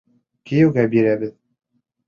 Кейәүгә бирәбеҙ.